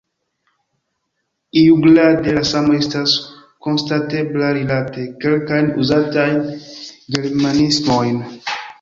Iugrade la samo estas konstatebla rilate kelkajn uzatajn germanismojn.